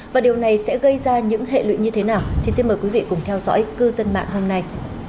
và điều này sẽ gây ra những hệ lụy như thế nào thì xin mời quý vị cùng theo dõi cư dân mạng hôm nay